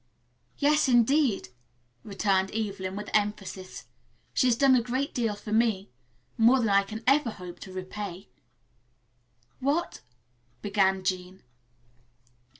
"Yes, indeed," returned Evelyn, with emphasis. "She has done a great deal for me. More than I can ever hope to repay." "What " began Jean.